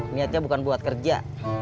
niatnya bukan buat kerja